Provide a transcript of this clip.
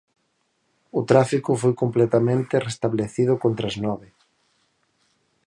O tráfico foi completamente restablecido contra as nove.